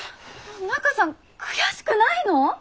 中さん悔しくないの？